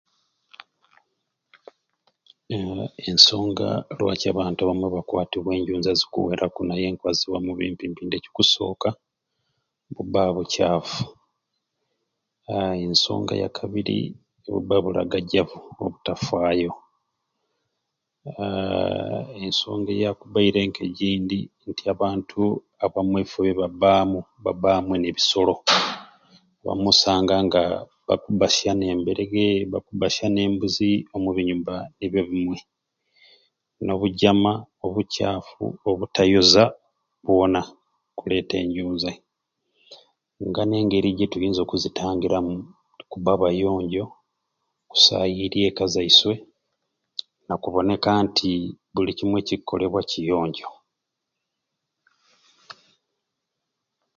Ee Ensonga lwaki abantu bakwaba enjunzai zikuweraku naye nkwaba ziwa omupimpimpi nti ekikusooka buba bukyafu ensonga eyakabiri buba bulagajavu obutafaayo aaa esonga eyakubaire nka gyindi nti abantu abamwei ebifo byebabamu baba amwei ne bisolo olumwei osanga nga babasya ne mberege bakubasya ne mbuzi ennyumba nibyobimwei no bujama obukyafu obutayoza bwona buleeta enjunzai nga nengeri gyetuyinza ozitangiramu kuba bayonjo ku sayiirya ekka zaiswe nakuboneka nti buli kimwei ekikolebwa kiyonjo